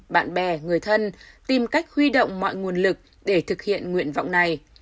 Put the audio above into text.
bạn bè người thân tìm cách huy động mọi nguồn lực để thực hiện nguyện vọng này